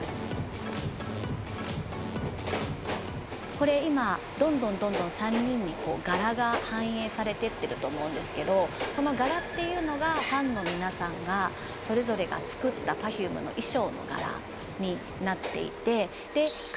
これ今どんどんどんどん３人に柄が反映されてってると思うんですけどこの柄っていうのがファンの皆さんがそれぞれが作ったＰｅｒｆｕｍｅの衣装の柄になっていてカンヌにいる３人が着てくれるっていうことで